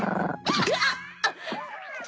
あっ！